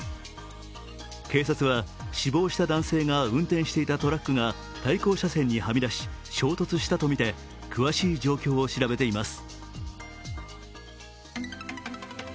警察は死亡した男性が運転していたトラックが対向車線にはみ出し衝突したとみて詳しい状況を調べています。